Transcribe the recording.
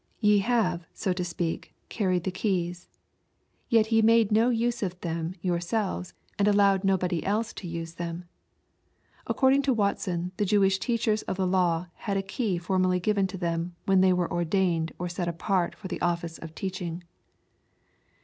Ye have, so to speak, carried the keys. Yet ye made no use of them yourselves, and allowed nobody else to use them." According to Watson, the Jewish teachers of tlie law had a key formally given to them, when they were ordained or set apart for the office of teaching.